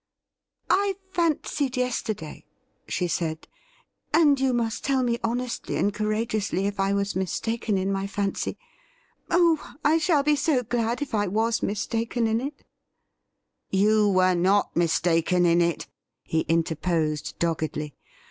' I fancied yesterday,' she said —' and you must tell me honestly and courageously if I was mistaken in my fancy — oh ! I shall be so glad if I was mistaken in it ''' You were not mistaken in it,' he interposed doggedly.